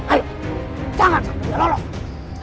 ayo jangan sampai lolos